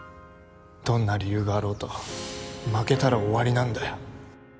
どんな理由があろうと負けたら終わりなんだよ